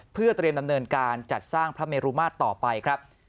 เพื่อเตรียมดำเนินการจัดสร้างพระเมรุมาตรต่อไปครับ